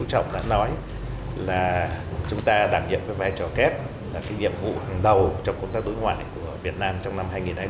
rồi là những vấn đề kinh tế vấn đề thương mại đặt ra